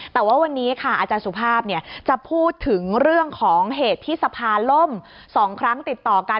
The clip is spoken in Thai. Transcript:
แต่ว่าวันนี้ค่ะอาจารย์สุภาพจะพูดถึงเรื่องของเหตุที่สภาล่ม๒ครั้งติดต่อกัน